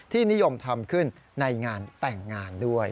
นิยมทำขึ้นในงานแต่งงานด้วย